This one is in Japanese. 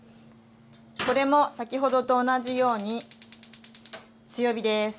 これも先ほどと同じように強火です。